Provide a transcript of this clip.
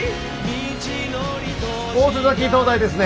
大瀬埼灯台ですね。